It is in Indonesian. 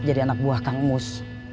jadi anak buah kamus